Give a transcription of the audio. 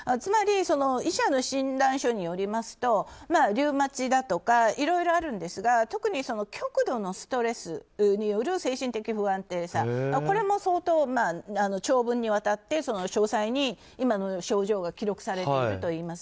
医者の診断書によりますとリウマチだとかいろいろあるんですが特に極度のストレスによる精神的不安定さこれも相当、長文にわたって詳細に症状が記録されているといいます。